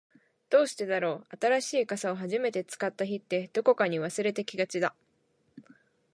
どうしてだろう、新しい傘を初めて使った日って、どこかに忘れてきがちだ。